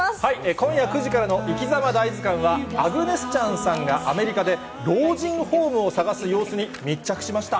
今夜９時からの『いきざま大図鑑』はアグネス・チャンさんがアメリカで老人ホームを探す様子に密着しました。